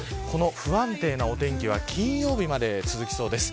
不安定なお天気は金曜日まで続きそうです。